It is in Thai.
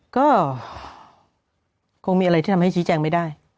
ก็คงมีอะไรที่ทำให้ชี้แจงไม่ได้